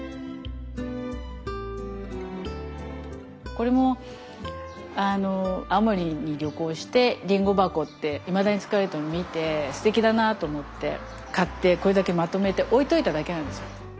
これも青森に旅行してりんご箱っていまだに使われているのを見てすてきだなと思って買ってこれだけまとめて置いといただけなんですよ。